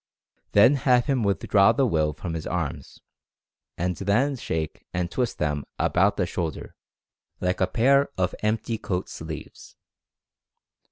Then have him withdraw the Will from his arms, and then shake and twist them about from the shoul der, like a pair of empty coat sleeves.